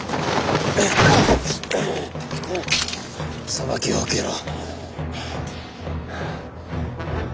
裁きを受けろ。